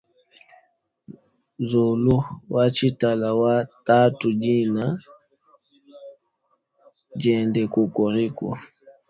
Nzolu watshitala wa tatudina diende kokoriko.